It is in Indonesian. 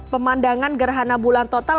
pemandangan gerhana bulan total